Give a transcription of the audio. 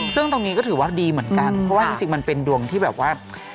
ซึ่งตรงนี้ก็ถือว่าดีเหมือนกันเพราะว่าจริงมันเป็นดวงที่แบบว่า